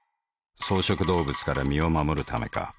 草食動物から身を護るためか。